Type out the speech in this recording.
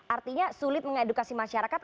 artinya sulit mengedukasi masyarakat